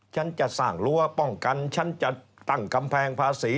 ฉันจะสร้างรั้วป้องกันฉันจะตั้งกำแพงภาษี